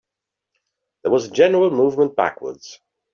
There was a general movement backwards.